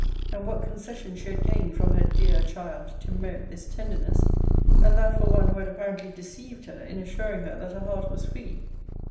And what concession she had gained from her dear child to merit this tenderness? And that for one who had apparently deceived her in assuring her that her heart was free?